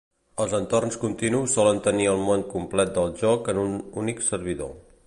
Els entorns continus solen tenir el món complet del joc en un únic servidor.